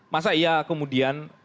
masa iya kemudian